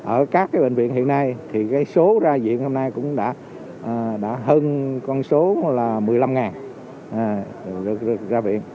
ở các bệnh viện hiện nay thì số ra diện hôm nay cũng đã hơn con số là một mươi năm được ra viện